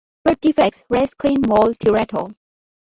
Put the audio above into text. Birth Defects Res Clin Mol Teratol.